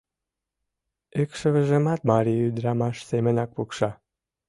Икшывыжымат марий ӱдырамаш семынак пукша...